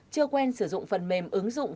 chưa quen sử dụng phần mềm ứng dụng